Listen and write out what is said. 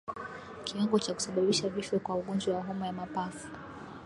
Kiwango cha kusababisha vifo kwa ugonjwa wa homa ya mapafu